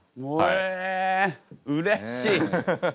えうれしい！